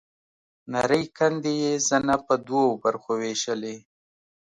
نرۍ کندې يې زنه په دوو برخو وېشلې.